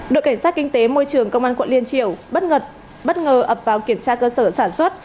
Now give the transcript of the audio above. đội cảnh sát kinh tế môi trường công an quận liên triều bất ngờ bất ngờ ập vào kiểm tra cơ sở sản xuất